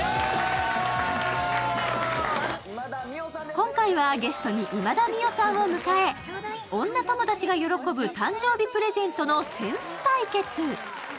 今回はゲストに今田美桜さんを迎え、女友達が喜ぶ誕生日プレゼントのセンス対決。